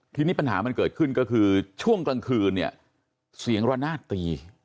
ทีนี้ปัญหามันเกิดขึ้นก็คือช่วงกลางคืนเนี่ยเสียงระนาดตี